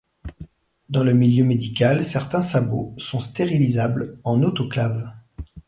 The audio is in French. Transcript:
Dans le milieu médical, certains sabots sont stérilisables en Autoclave.